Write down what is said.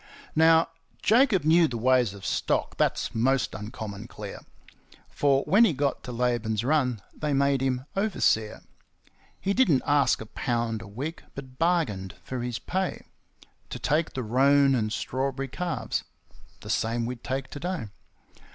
Now, Jacob knew the ways of stock that's most uncommon clear For when he got to Laban's Run, they made him overseer; He didn't ask a pound a week, but bargained for his pay To take the roan and strawberry calves the same we'd take to day.